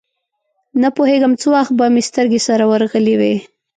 نپوهېږم څه وخت به مې سترګې سره ورغلې وې.